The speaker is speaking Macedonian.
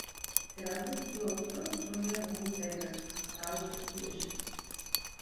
Се разбудив тоа утро со неа во мои прегратки, а таа уште спиеше.